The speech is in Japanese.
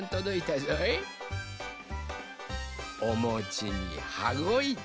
おもちにはごいた。